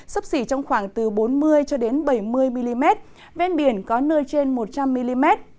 sấp xỉ trong khoảng từ bốn mươi bảy mươi mm bên biển có nơi trên một trăm linh mm